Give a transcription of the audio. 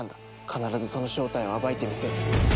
必ずその正体を暴いてみせる。